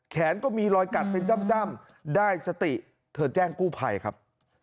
ก็มีรอยกัดเป็นจ้ำได้สติเธอแจ้งกู้ภัยครับ